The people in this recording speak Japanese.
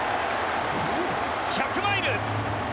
１００マイル！